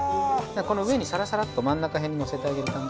この上にサラサラッと真ん中へんにのせてあげる感じ。